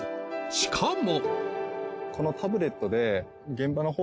しかも。